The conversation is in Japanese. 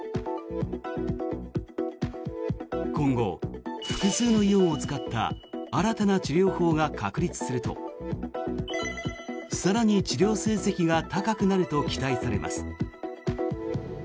今後、複数のイオンを使った新たな治療法が確立すると更に治療成績が高くなると期待されます。